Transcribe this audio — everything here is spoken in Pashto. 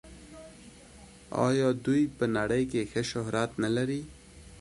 آیا دوی په نړۍ کې ښه شهرت نلري؟